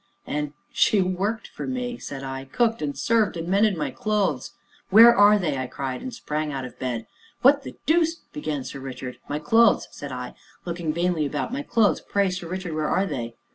"And she worked for me!" said I; "cooked and served and mended my clothes where are they?" I cried, and sprang out of bed. "What the deuce " began Sir Richard. "My clothes," said I, looking vainly about; "my clothes pray, Sir Richard, where are they?"